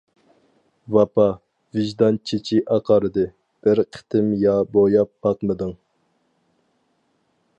ۋاپا، ۋىجدان چېچى ئاقاردى، بىر قېتىم يا بوياپ باقمىدىڭ!